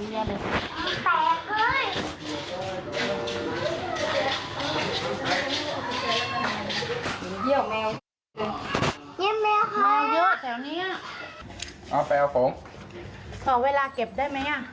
ไม่มีคำว่าไม่รอยคลิปตอนนี้นะครับเราก็รอตอนนี้เลย